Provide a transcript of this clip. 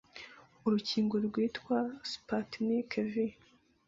Urukingo rwitwa Sputnik-V,